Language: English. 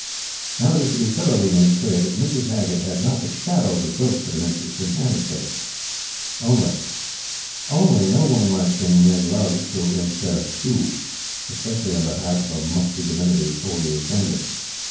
Now it is to be thoroughly made clear that Mrs. Haggert had not the shadow of a ghost of an interest in Hannasyde. Only.... only no woman likes being made love through instead of to specially on behalf of a musty divinity of four years' standing.